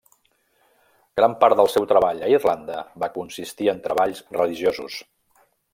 Gran part del seu treball a Irlanda va consistir en treballs religiosos.